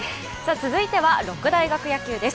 続いては六大学野球です。